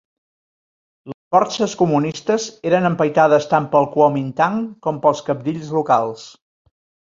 Les forces comunistes eren empaitades tant pel Kuomintang com pels cabdills locals.